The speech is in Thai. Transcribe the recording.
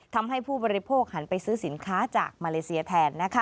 ทำให้ผู้บริโภคหันไปซื้อสินค้าจากมาเลเซียแทน